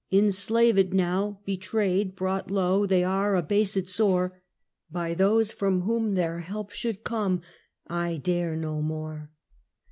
Enslaved now, betrayed, brought low, They are abased sore By those from whom their help should come: I dare no more.